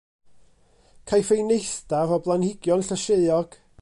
Caiff ei neithdar o blanhigion llysieuog.